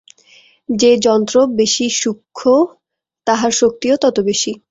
যে যন্ত্র যত বেশী সূক্ষ্ম, তাহার শক্তিও তত বেশী।